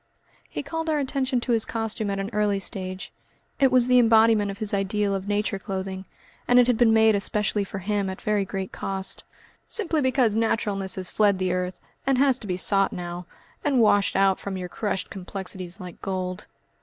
He called our attention to his costume at an early stage. It was the embodiment of his ideal of Nature clothing, and it had been made especially for him at very great cost. "Simply because naturalness has fled the earth, and has to be sought now, and washed out from your crushed complexities like gold."